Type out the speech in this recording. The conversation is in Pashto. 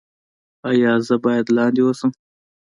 ایا زه باید لاندې اوسم؟